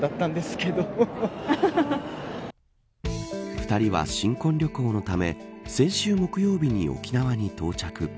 ２人は新婚旅行のため先週木曜日に沖縄に到着。